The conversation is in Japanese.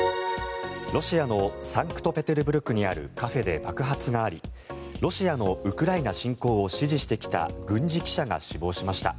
ロシアのサンクトペテルブルクにあるカフェで爆発がありロシアのウクライナ侵攻を支持してきた軍事記者が死亡しました。